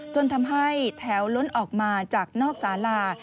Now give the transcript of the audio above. จนทำให้แถวล้นออกมาจากนอกสาลา